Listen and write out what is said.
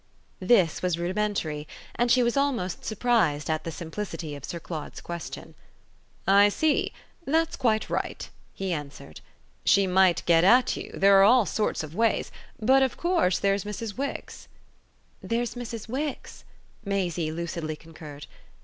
This was rudimentary, and she was almost surprised at the simplicity of Sir Claude's question. "I see that's quite right," he answered. "She might get at you there are all sorts of ways. But of course there's Mrs. Wix." "There's Mrs. Wix," Maisie lucidly concurred.